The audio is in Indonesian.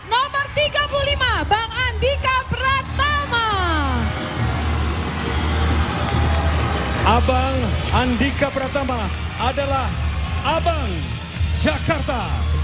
abang dari jakarta pusat nomor tiga puluh lima bang andika pratama abang andika pratama adalah abang jakarta